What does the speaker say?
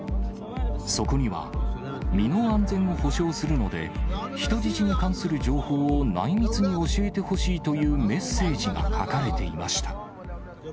そこには、身の安全を保証するので、人質に関する情報を内密に教えてほしいというメッセージが書かれていました。